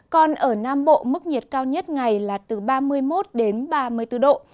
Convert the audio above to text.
còn ở nam bộ mức nhiệt cao nhất ngày là từ ba mươi một ba mươi bốn độ